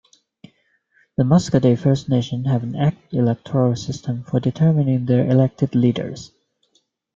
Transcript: The Muskoday First Nation have an Act Electoral System for determining their elected leaders.